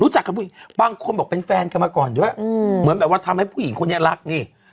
จากผู้หญิงบางคนบอกเป็นแฟนกันมาก่อนด้วยเหมือนแบบว่าทำให้ผู้หญิงคนนี้รักนี่